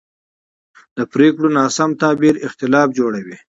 د پرېکړو ناسم تعبیر اختلاف جوړوي